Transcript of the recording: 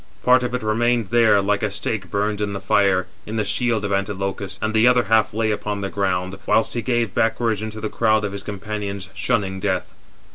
Part of it remained there, like a stake burned in the fire, 436 in the shield of Antilochus, and the other half lay upon the ground; whilst he gave backwards into the crowd of his companions, shunning death.